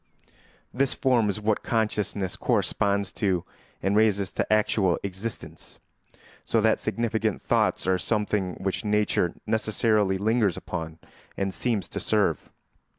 This form is what consciousness corresponds to and raises to actual existence; so that significant thoughts are something which nature necessarily lingers upon and seems to serve.